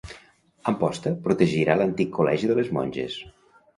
Amposta protegirà l'antic col·legi de les monges.